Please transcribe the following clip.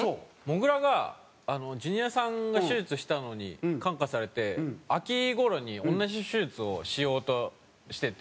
もぐらがジュニアさんが手術したのに感化されて秋頃に同じ手術をしようとしてて。